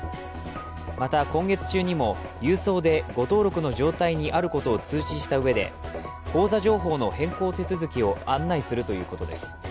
また、今月中にも郵送で誤登録の状態にあることを通知したうえで口座情報の変更手続きを案内するということです。